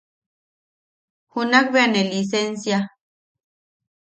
Junak bea ne lisensia.